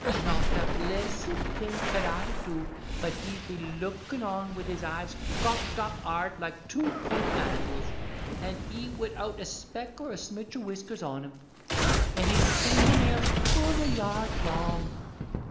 Not a blissed thing cud I do but he'd be lookin' on wid his eyes cocked up'ard like two poomp handles, an' he widdout a speck or a smitch o' whiskers on him, and his finger nails full a yard long.